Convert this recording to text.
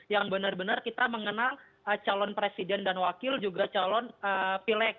yang benar benar kita mengenal calon presiden dan wakil juga calon pilek